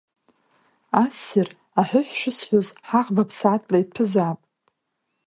Ассир, аҳәыҳә шысҳәоз, ҳаӷба ԥсаатәла иҭәызаап.